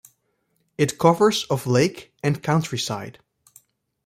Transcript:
It covers of lake and countryside.